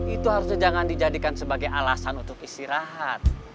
itu harusnya jangan dijadikan sebagai alasan untuk istirahat